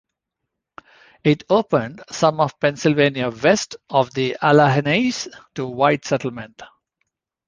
It opened some of Pennsylvania west of the Alleghenies to white settlement.